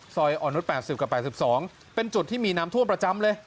ซอยอ่อนนุษย๘๐กับ๘๒เป็นจุดที่มีน้ำท่วมประจำเลย